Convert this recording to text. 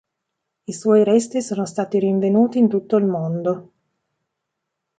I suoi resti sono stati rinvenuti in tutto il mondo.